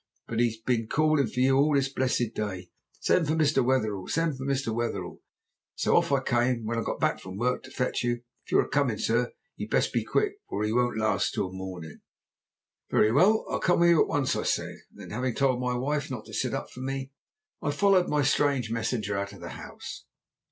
'But he's been callin' for you all this blessed day: "Send for Mr. Wetherell! send for Mr. Wetherell!" So off I came, when I got back from work, to fetch you. If you're comin', sir, you'd best be quick, for he won't last till mornin'.' "'Very well, I'll come with you at once,' I said. Then, having told my wife not to sit up for me, I followed my strange messenger out of the house.